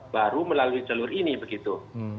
baru melalui jalur ini begitu